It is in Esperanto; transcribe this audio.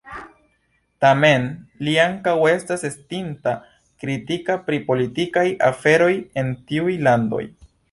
Tamen li ankaŭ estas estinta kritika pri politikaj aferoj en tiuj landoj.